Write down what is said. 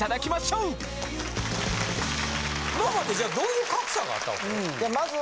今までじゃあどういう格差があった訳？